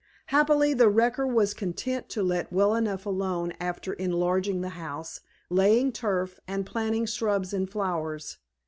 Happily, the wrecker was content to let well enough alone after enlarging the house, laying turf, and planting shrubs and flowers.